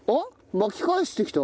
巻き返してきた！？